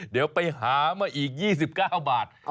เดี๋ยวไปหามาอีก๒๙บาท